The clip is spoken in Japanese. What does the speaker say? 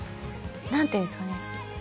何ていうんですかね。